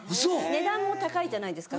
値段も高いじゃないですか。